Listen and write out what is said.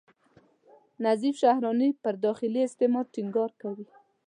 نظیف شهراني پر داخلي استعمار ټینګار کوي.